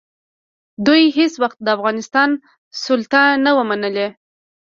دوی هېڅ وخت د افغانستان سلطه نه وه منلې.